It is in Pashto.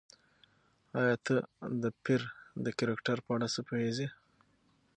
ایا ته د پییر د کرکټر په اړه څه پوهېږې؟